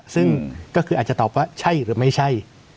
ซึ่งก็คืออาจจะตอบว่าใช่หรือไม่ใช่